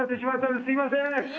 すいません。